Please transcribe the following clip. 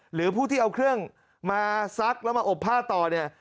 หรือผู้ที่เอาเครื่องมาซักแล้วมาอบผ้าต่อเนี่ย